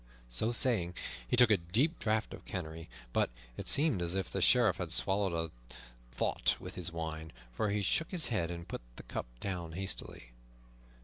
So saying, he took a deep draught of Canary. But it seemed as if the Sheriff had swallowed a thought with his wine, for he shook his head and put the cup down hastily.